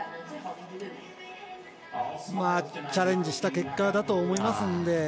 まあ、チャレンジした結果だと思いますんで。